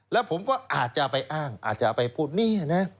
แล้วผมก็อาจจะไปอ้างอาจจะไปพูดนี่นะ